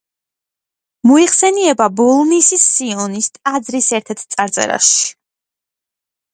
მოიხსენიება ბოლნისის სიონის ტაძრის ერთ-ერთ წარწერაში.